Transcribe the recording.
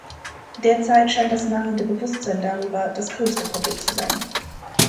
Derzeit scheint das mangelnde Bewusstsein darüber das größte Problem zu sein.